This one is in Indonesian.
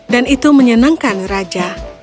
dan itu menyenangkan raja